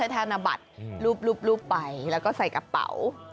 ธนบัตรรูปไปแล้วก็ใส่กระเป๋า